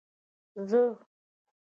زه